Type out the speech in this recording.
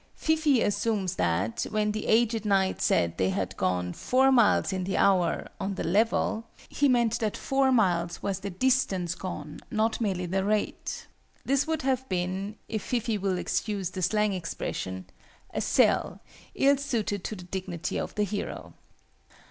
FIFEE assumes that, when the aged knight said they had gone "four miles in the hour" on the level, he meant that four miles was the distance gone, not merely the rate. This would have been if FIFEE will excuse the slang expression a "sell," ill suited to the dignity of the hero.